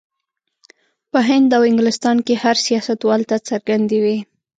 په هند او انګلستان کې هر سیاستوال ته څرګندې وې.